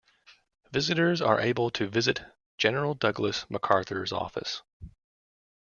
Visitors are able to visit General Douglas MacArthur's office.